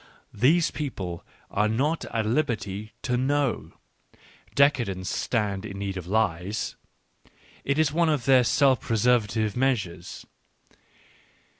... These people are not at liberty to "know," — jggadfint&sianri in oeed i of lies, — it is one of their self preservative measures.